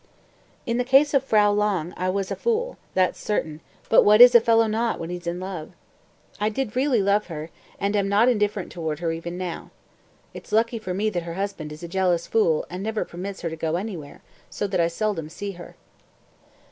191. "In the case of Frau Lange I was a fool, that's certain; but what is a fellow not when he's in love? I did really love her, and am not indifferent toward her even now. It's lucky for me that her husband is a jealous fool and never permits her to go anywhere, so that I seldom see her."